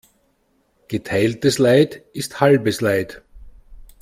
Geteiltes Leid ist halbes Leid.